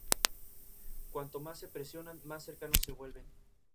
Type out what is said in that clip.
Entre sus obras teóricas hay que destacar el Tratado de Composición.